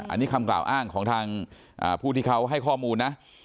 อันนี้คำกล่าวอ้างของทางผู้ที่เขาให้ข้อมูลนะ